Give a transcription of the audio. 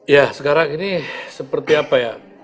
ya sekarang ini seperti apa ya